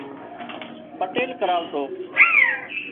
پٽيل ڪرواتو